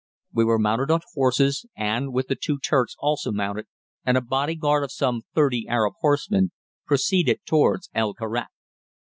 We were mounted on horses, and, with the two Turks also mounted and a bodyguard of some thirty Arab horsemen, proceeded towards El Karak.